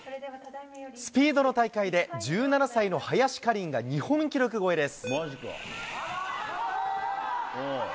スピードの大会で、１７歳の林かりんが日本記録超えです。